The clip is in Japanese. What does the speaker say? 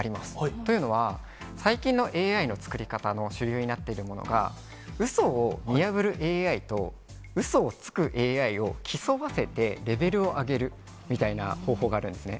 というのは、最近のＡＩの作り方の主流になっているものが、うそを見破るＡＩと、うそをつくＡＩを競わせてレベルを上げるみたいな方法があるんですね。